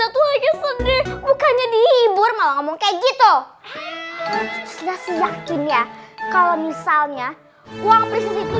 itu hanya sendiri bukannya dihibur ngomong kayak gitu yakin ya kalau misalnya uang presiden